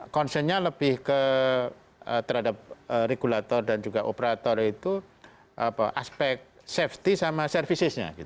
concern nya lebih ke terhadap regulator dan juga operator itu aspek safety sama services nya